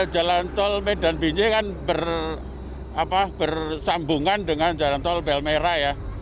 jalan tol medan binjai kan bersambungan dengan jalan tol belmera ya